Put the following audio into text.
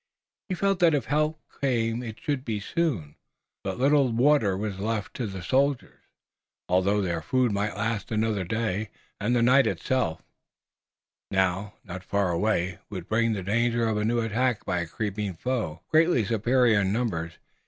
He felt that if help came it should come soon. But little water was left to the soldiers, although their food might last another day, and the night itself, now not far away, would bring the danger of a new attack by a creeping foe, greatly superior in numbers.